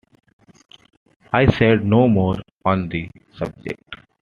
I said no more on the subject.